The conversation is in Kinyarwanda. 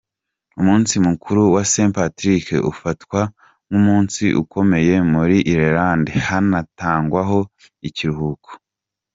Umunsi mukuru wa Saint Patrick ,ufatwa nk’umunsi ukomeye muri Ireland hanatangwaho ikiruhuko.